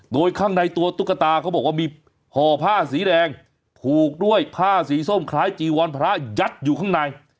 โดยข้างในตัวตุ๊กตาเขาบอกว่ามีห่อผ้าสีแดงผูกด้วยผ้าสีส้มคล้ายจีวรพระยัดอยู่ข้างใน